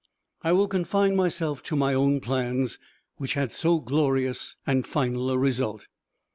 I will confine myself to my own plans, which had so glorious and final a result.